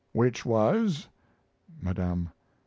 Which was? 'Madame.'